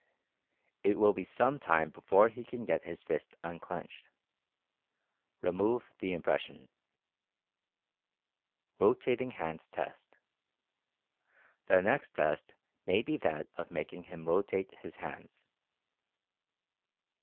It will be some time before he can get his fist unclenched. Remove the impression. ROTATING HANDS TEST. The next test may be that of making him rotate his hands.